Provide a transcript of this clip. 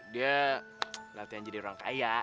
dia latihan jadi orang kaya